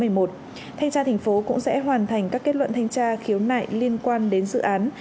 thanh tra thành phố cũng sẽ hoàn thành các kết luận thanh tra khiếu nại liên quan đến dự án